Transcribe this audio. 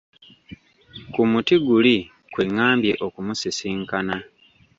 Ku muti guli kwe ŋŋambye okumusisinkana.